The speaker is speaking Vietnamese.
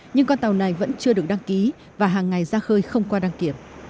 nhưng con tàu này vẫn chưa được đăng ký và hàng ngày ra khơi không qua đăng kiểm